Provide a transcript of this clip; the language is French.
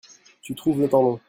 tu trouves le temps long.